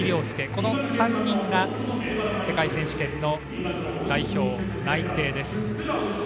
この３人が世界選手権の代表内定です。